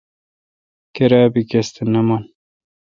کیراب بی کس تھ نہ من۔